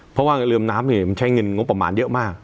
เพราะว่าเรือมน้ำมันใช้เงินงบประมาณเยอะมาก